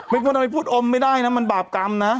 มึงไม่สามารถพูดอมไม่ได้นะมันบาปกรรมนะ